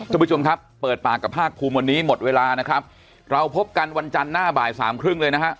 คุณผู้ชมครับเปิดปากกับภาคภูมิวันนี้หมดเวลานะครับเราพบกันวันจันทร์หน้าบ่ายสามครึ่งเลยนะฮะ